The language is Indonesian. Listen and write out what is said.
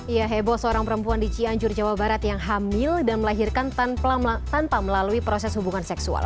ya heboh seorang perempuan di cianjur jawa barat yang hamil dan melahirkan tanpa melalui proses hubungan seksual